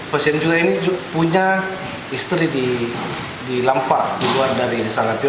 pasien juga ini punya istri di lampak di luar dari desa lapeo